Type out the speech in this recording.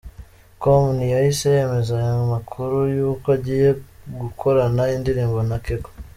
com ntiyahise yemeza aya makuru y’uko agiye gukorana indirimbo na Keko .